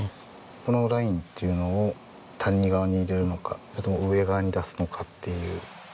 このラインっていうのを谷側に入れるのかそれとも上側に出すのかっていう。